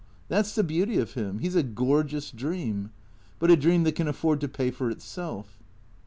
That 's the beauty of him. He 's a gorgeous dream. But a dream that can afford to pay for itself.'